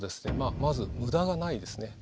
まず無駄がないですね。